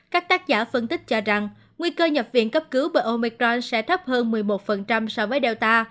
các tác giả phân tích cho rằng nguy cơ nhập viện cấp cứu bởi omicron sẽ thấp hơn một mươi một so với delta